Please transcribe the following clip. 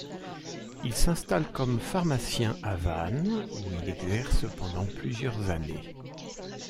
Il s'installe comme pharmacien à Vannes où il exerce pendant plusieurs années.